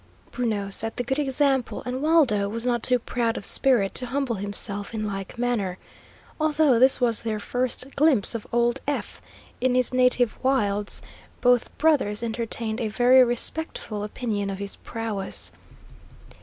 Bruno set the good example, and Waldo was not too proud of spirit to humble himself in like manner. Although this was their first glimpse of "Old Eph" in his native wilds, both brothers entertained a very respectful opinion of his prowess.